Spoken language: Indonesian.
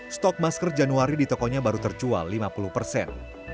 stok masker januari di tokonya baru terjual lima puluh persen